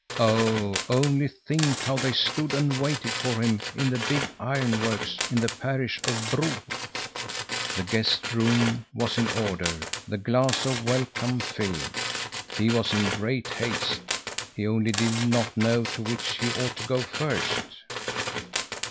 Oh, only think how they stood and waited for him in the big ironworks in the parish of Bro! The guest room was in order, the glass of welcome filled. He was in great haste. He only did not know to which he ought to go first.